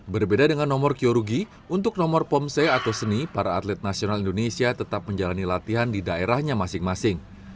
berbeda dengan nomor kyorugi untuk nomor pomse atau seni para atlet nasional indonesia tetap menjalani latihan di daerahnya masing masing